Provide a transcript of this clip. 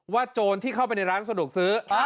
โจรที่เข้าไปในร้านสะดวกซื้อ